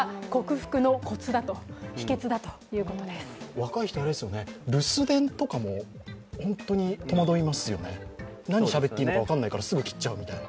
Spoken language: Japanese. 若い人は留守電とかも本当に戸惑いますよね、何しゃべっていいのか分からないから、すぐ切っちゃうという。